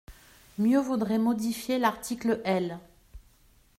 Mieux vaudrait modifier l’article L.